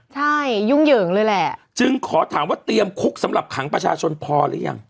ใช่ยุ่งเหยิงเลยแหละจึงขอถามว่าเตรียมคุกสำหรับขังประชาชนพอหรือยัง